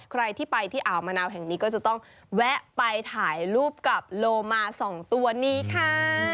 ใครที่ไปที่อ่าวมะนาวแห่งนี้ก็จะต้องแวะไปถ่ายรูปกับโลมา๒ตัวนี้ค่ะ